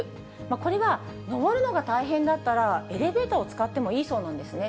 これは上るのが大変だったらエレベーターを使ってもいいそうなんですね。